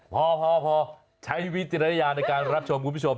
พอใช้วิจารณญาณในการรับชมคุณผู้ชม